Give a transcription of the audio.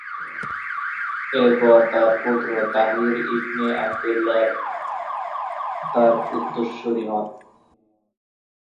এরপর তার পুত্র তাহির ইবনে আবদুল্লাহ তার উত্তরসুরি হন।